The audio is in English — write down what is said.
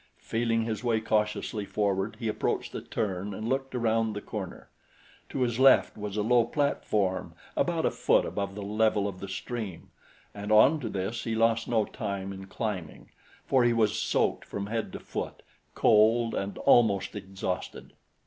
Feeling his way cautiously forward he approached the turn and looked around the corner. To his left was a low platform about a foot above the level of the stream, and onto this he lost no time in climbing, for he was soaked from head to foot, cold and almost exhausted.